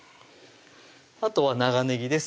あとは長ねぎです